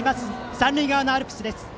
三塁側のアルプスです。